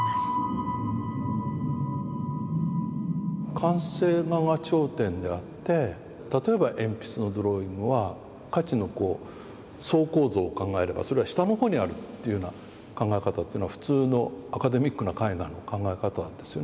完成画が頂点であって例えば鉛筆のドローイングは価値の層構造を考えればそれは下の方にあるっていうような考え方っていうのは普通のアカデミックな絵画の考え方ですよね。